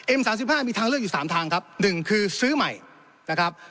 เอ็มสามสิบห้ามีทางเลือกอยู่สามทางครับหนึ่งคือซื้อใหม่นะครับ